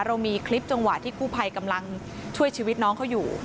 เรามีคลิปจังหวะที่กู้ภัยกำลังช่วยชีวิตน้องเขาอยู่